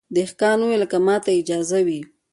دهقان وویل که ماته اجازه وي